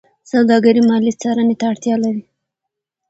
سوداګري مالي څارنې ته اړتیا لري.